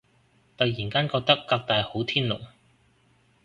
突然間覺得革大好天龍